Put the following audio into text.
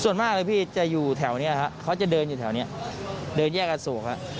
ส่วนมากจะอยู่แถวนี้เขาจะเดินอยู่แถวนี้เดินแยกอสโกค่ะ